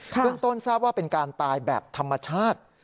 เรื่องต้นทราบว่าเป็นการตายแบบธรรมชาติ